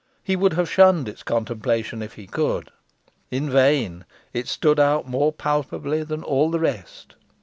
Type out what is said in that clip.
He would have shunned its contemplation, if he could. In vain. It stood out more palpably than all the rest.